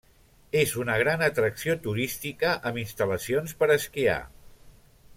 És una gran atracció turística amb instal·lacions per esquiar.